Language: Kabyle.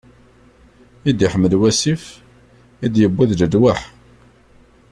I d-iḥmel wasif, i d-yewwi d lelwaḥ.